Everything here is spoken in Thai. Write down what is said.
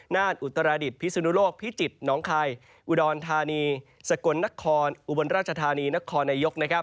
อุตราดิษฐพิสุนุโลกพิจิตรน้องคายอุดรธานีสกลนครอุบลราชธานีนครนายกนะครับ